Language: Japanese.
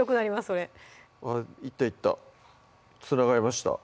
それいったいったつながりました